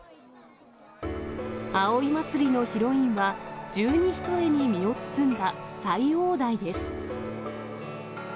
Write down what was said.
葵祭のヒロインは、十二ひとえに身を包んだ斎王代です。